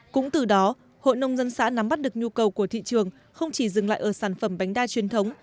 cũng từ đó hội nông dân xã nắm bắt được nhu cầu của thị trường không chỉ dừng lại ở sản phẩm bánh đa truyền thống